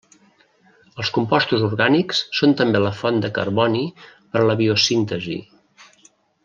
Els composts orgànics són també la font de carboni per a la biosíntesi.